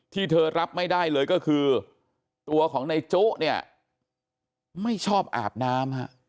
ที่เธอรับไม่ได้เลยก็คือตัวของในจุเนี่ยไม่ชอบอาบน้ำ